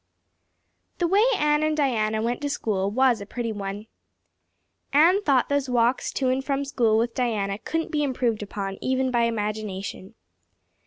The way Anne and Diana went to school was a pretty one. Anne thought those walks to and from school with Diana couldn't be improved upon even by imagination.